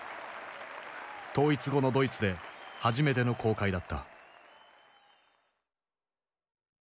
統一後のドイツで初めての公開だった。